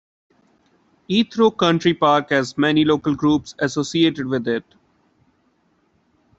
Etherow Country Park has many local groups associated with it.